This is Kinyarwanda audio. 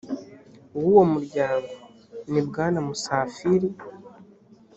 w uwo muryango ni bwana musafiri